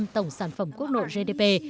tổng sản phẩm quốc nội gdp